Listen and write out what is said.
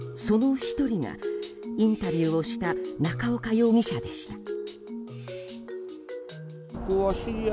その１人がインタビューをした中岡容疑者でした。